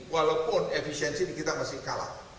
walaupun efisiensi kita masih kalah